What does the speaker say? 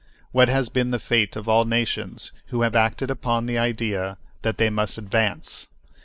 What has been the fate of all nations who have acted upon the idea that they must advance!